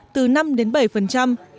từ năm đến năm